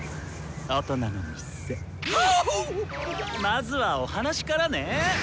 まずはお話からネ！